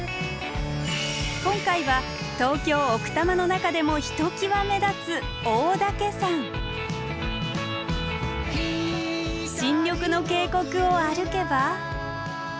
今回は東京・奥多摩の中でもひときわ目立つ新緑の渓谷を歩けば。